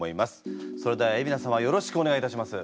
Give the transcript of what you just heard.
それでは海老名様よろしくお願いいたします。